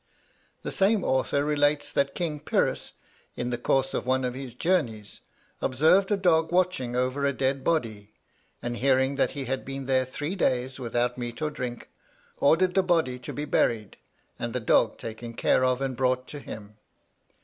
The same author relates that King Pyrrhus, in the course of one of his journies, observed a dog watching over a dead body; and hearing that he had been there three days without meat or drink, ordered the body to be buried, and the dog taken care of and brought to him.